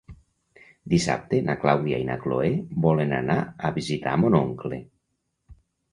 Dissabte na Clàudia i na Cloè volen anar a visitar mon oncle.